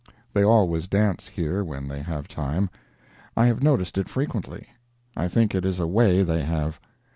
They always dance here when they have time. I have noticed it frequently. I think it is a way they have.